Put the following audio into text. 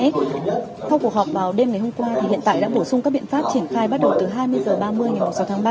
sau cuộc họp vào đêm ngày hôm qua thì hiện tại đã bổ sung các biện pháp triển khai bắt đầu từ hai mươi h ba mươi ngày sáu tháng ba